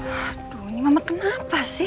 aduh ini mama kenapa sih